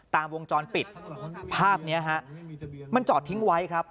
วงจรปิดภาพนี้ฮะมันจอดทิ้งไว้ครับ